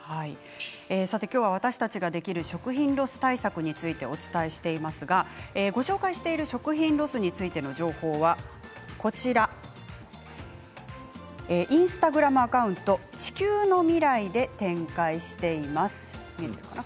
今日は私たちができる食品ロス対策についてお伝えしていますがご紹介している食品ロスについての情報はインスタグラムアカウント地球のミライで展開しています。